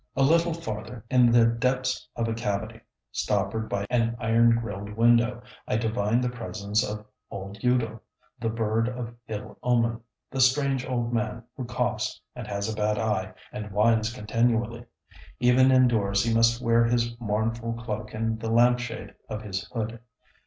A little farther, in the depths of a cavity, stoppered by an iron grilled window, I divine the presence of old Eudo, the bird of ill omen, the strange old man who coughs, and has a bad eye, and whines continually. Even indoors he must wear his mournful cloak and the lamp shade of his hood.